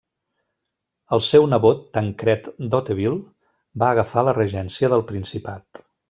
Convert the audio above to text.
El seu nebot Tancred d'Hauteville va agafar la regència del principat.